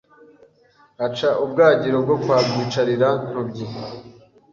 Aca ubwagiro kwa Rwicarirantobyi